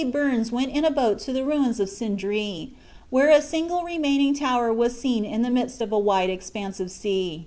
Burnes went in a boat to the ruins of Sindree, where a single remaining tower was seen in the midst of a wide expanse of sea.